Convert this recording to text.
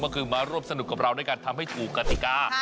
ก็คือมาร่วมสนุกกับเราด้วยการทำให้ถูกกติกา